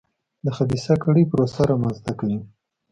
د خبیثه کړۍ پروسه رامنځته کوي.